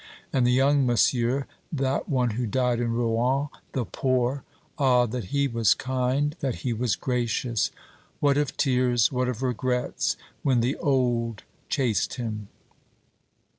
And the young monsieur that one who died in Rouen, the Poor! ah, that he was kind, that he was gracious! What of tears, what of regrets, when the Old chased him!"